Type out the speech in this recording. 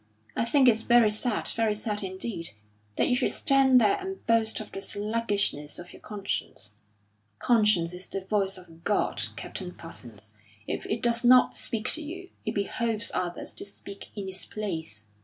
"I think it's very sad, very sad indeed, that you should stand there and boast of the sluggishness of your conscience. Conscience is the voice of God, Captain Parsons; if it does not speak to you, it behoves others to speak in its place."